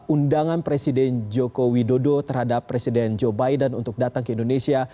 undangan presiden joko widodo terhadap presiden joe biden untuk datang ke indonesia